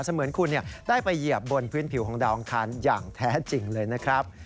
เหมือนคุณได้ไปเหยียบบนพื้นผิวของดาวอังคารอย่างแท้จริงเลยนะครับ